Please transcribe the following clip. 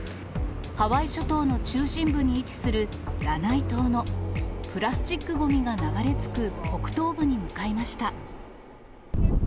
ハワイ諸島の中心部に位置するラナイ島のプラスチックごみが流れ着く北東部に向かいました。